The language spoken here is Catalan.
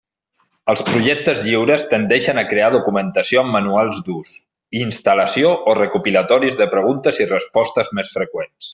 Els projectes lliures tendeixen a crear documentació amb manuals d'ús i instal·lació o recopilatoris de preguntes i respostes més freqüents.